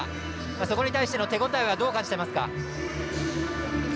そこに対しての手応えはどう感じていますか？